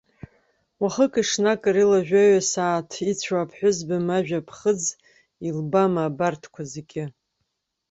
Уахыки-ҽнаки рыла жәаҩаҟа сааҭ ицәо аԥҳәызба-мажәа ԥхыӡ илбама абарҭқәа зегьы?